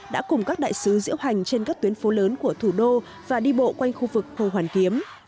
đã cùng các đại sứ diễu hành trên các tuyến phố lớn của thủ đô và đi bộ quanh khu vực hồ hoàn kiếm